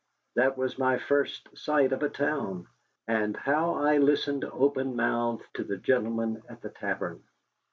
That was my first sight of a town. And how I listened open mouthed to the gentlemen at the tavern!